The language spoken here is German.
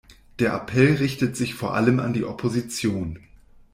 Der Appell richtet sich vor allem an die Opposition.